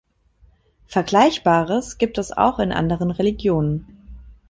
Vergleichbares gibt es auch in anderen Religionen.